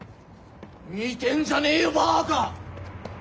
見てんじゃねえよバカ！